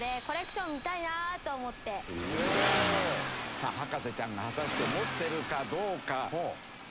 さあ博士ちゃんが果たして持ってるかどうか。